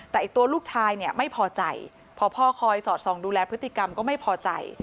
แต่ตัวลูกชายเนี่ยไม่พอใจพอพ่อคอยสอดส่องดูแลพฤติกรรมก็ไม่พอใจ